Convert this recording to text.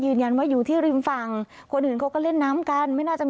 ก็ส่งข้อมูลไปยังพนักงานสอบสวนเพื่อเรียกมาสอบสวนเพิ่มเติม